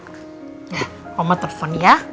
nah oma terpon ya